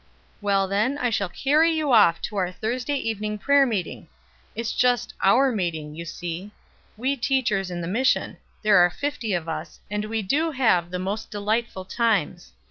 "Well, then, I shall carry you off to our Thursday evening prayer meeting it's just our meeting, you see we teachers in the mission there are fifty of us, and we do have the most delightful times.